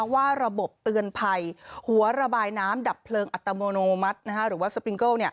ว่าระบบเตือนภัยหัวระบายน้ำดับเพลิงอัตโนมัติหรือว่าสปิงเกิล